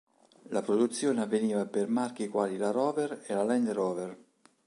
La produzione avveniva per marchi quali la Rover e la Land Rover.